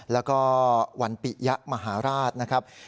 แล้วก็วันปิยะมหาราชนะครับ